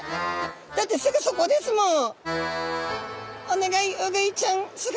だってすぐそこですもん。